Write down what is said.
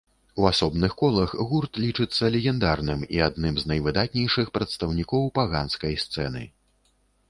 У асобных колах гурт лічыцца легендарным і адным з найвыдатнейшых прадстаўнікоў паганскай сцэны.